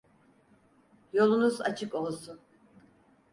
Yolunuz açık olsun.